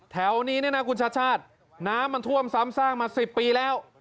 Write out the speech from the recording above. แถวนี้เนี่ยนะคุณชาติชาติน้ำมันท่วมซ้ำสร้างมา๑๐ปีแล้ว